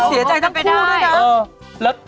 เสียใจกันไปได้